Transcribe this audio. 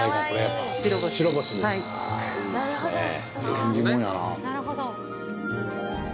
縁起物やな。